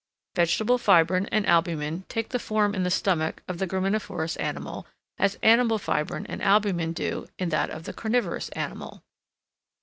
Vegetable fibrine and albumen take the form in the stomach of the graminivorous animal as animal fibrine and albumen do in that of the carnivorous animal.